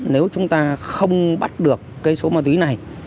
nếu chúng ta không bắt được cái số ma túy này